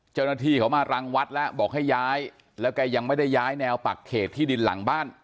เจ้าหน้าที่เขามารังวัดแล้วบอกให้ย้ายแล้วก็ยังไม่ได้ย้ายแนวปักเขตที่ดินหลังบ้าน